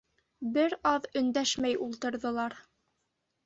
Бер аҙ өндәшмәй ултырҙылар.